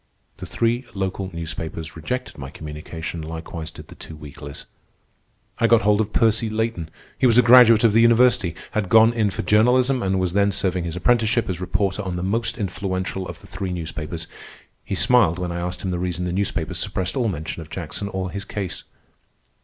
The three local newspapers rejected my communication, likewise did the two weeklies. I got hold of Percy Layton. He was a graduate of the university, had gone in for journalism, and was then serving his apprenticeship as reporter on the most influential of the three newspapers. He smiled when I asked him the reason the newspapers suppressed all mention of Jackson or his case.